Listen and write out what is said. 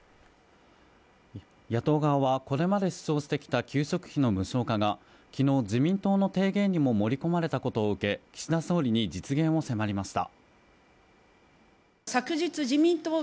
野党側はこれまで主張してきた給食費の無償化がきのう自民党の提言にも盛り込まれたことを受け、岸田総理に実現を迫りました。